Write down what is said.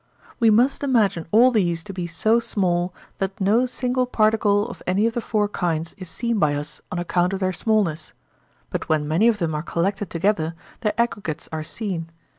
We must imagine all these to be so small that no single particle of any of the four kinds is seen by us on account of their smallness: but when many of them are collected together their aggregates are seen.